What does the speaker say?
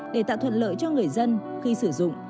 để tạo thuận lợi cho người dân khi sử dụng